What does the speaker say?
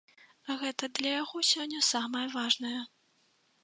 Гэта для яго сёння самае важнае.